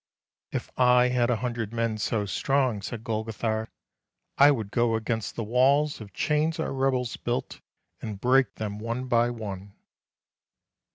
" If I had a hundred men so strong," said Golgo thar, " I would go against the walls of chains our rebels built, and break them one by one."